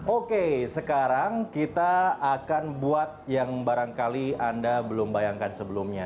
oke sekarang kita akan buat yang barangkali anda belum bayangkan sebelumnya